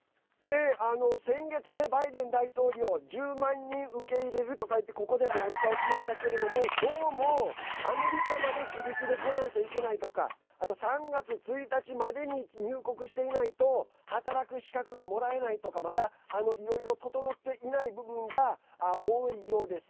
先月、バイデン大統領１０万人、受け入れるとかってここでもお伝えしましたけれどもどうも、アメリカまで自力で来ないといけないとかあと３月１日までに入国していないと働く資格がもらえないとかまだ、いろいろ整っていない部分が多いようです。